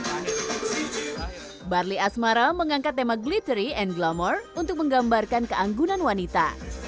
hai barley asmara mengangkat tema glittery and glamour untuk menggambarkan keanggunan wanita